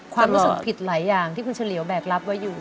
ความรู้สึกผิดหลายอย่างที่คุณเฉลียวแบกรับไว้อยู่